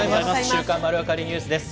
週刊まるわかりニュースです。